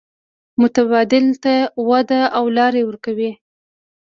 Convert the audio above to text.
متبادل ته وده او لار ورکوي.